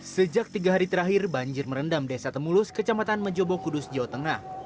sejak tiga hari terakhir banjir merendam desa temulus kecamatan mejobo kudus jawa tengah